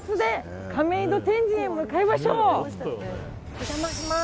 お邪魔します。